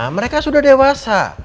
mereka sudah dewasa